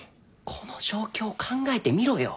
この状況を考えてみろよ。